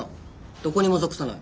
どこにも属さない。